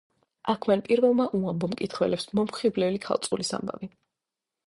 აქ მან პირველმა უამბო მკითხველებს მომხიბვლელი ქალწულის ამბავი.